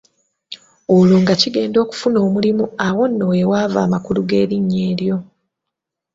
Olwo nga kigenda okufuna omulimu awo nno we wava amakulu g’erinnya eryo.